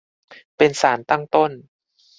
เป็นสารตั้งต้น